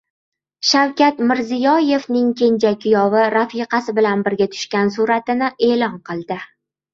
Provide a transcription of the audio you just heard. Shavkat Mirziyoyevning kenja kuyovi rafiqasi bilan birga tushgan suratini e’lon qildi